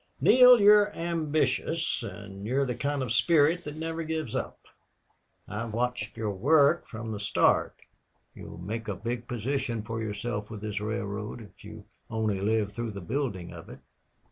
"Neale, you're ambitious and you've the kind of spirit that never gives up. I've watched your work from the start. You'll make a big position for yourself with this railroad, if you only live through the building of it."